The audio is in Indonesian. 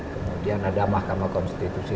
kemudian ada mahkamah konstitusi